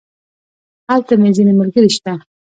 هلته مې ځينې ملګري شته.